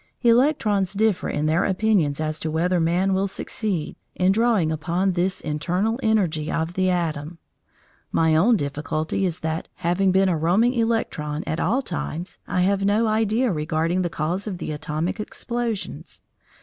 Electrons differ in their opinions as to whether man will succeed in drawing upon this internal energy of the atom. My own difficulty is that, having been a roaming electron at all times, I have no idea regarding the cause of the atomic explosions.